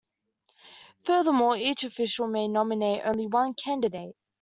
Furthermore, each official may nominate only one candidate.